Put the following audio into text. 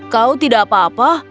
kau tidak apa apa